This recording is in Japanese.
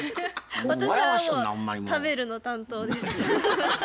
私はもう食べるの担当です。